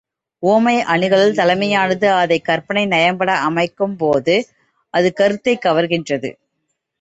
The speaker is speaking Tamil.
உவமை அணிகளுள் தலைமையானது அதைக் கற்பனை நயம்பட அமைக்குப் போது அது கருத்தைக் கவர்கின்றது.